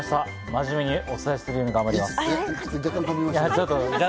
真面目にお伝えするようにいたします。